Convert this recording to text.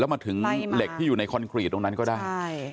มาถึงเหล็กที่อยู่ในคอนกรีตตรงนั้นก็ได้ใช่